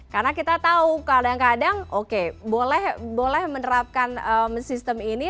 karena kita tahu kadang kadang boleh menerapkan sistem ini